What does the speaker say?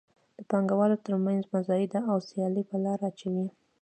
د پانګوالو تر مینځ مزایده او سیالي په لاره اچوي.